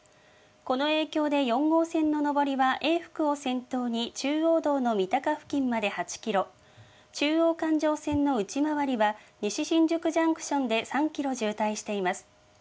この影響で、４号線の上りは永福を先頭に中央道の三鷹付近まで８キロ、中央環状線の内回りは西新宿ジャンクションで３キロ渋滞しています。